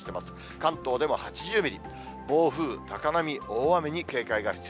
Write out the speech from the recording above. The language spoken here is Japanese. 関東でも８０ミリ、ぼうふう高波、大雨の警戒が必要。